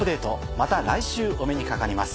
また来週お目にかかります。